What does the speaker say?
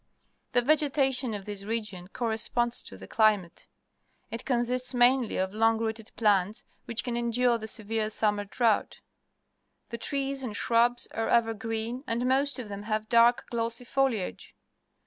The vegetation of this region corresponds to the climate. It consists mainly of long rooted plants, which can endure the severe summer drought. The trees and shrubs are evergreen, and most of them have dark, glossy foliage